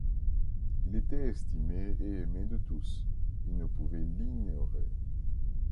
Il était estimé et aimé de tous, il ne pouvait l’ignorer